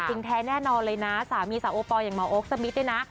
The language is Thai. จริงแท้แน่นอนเลยนะสามีสาวโอปอร์อย่างเมาโอ๊คสมิทด้วยนะ